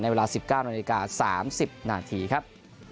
ในเวลา๑๙น๓๐นครับ